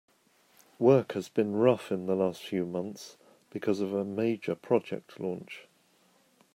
Work has been rough in the last few months because of a major project launch.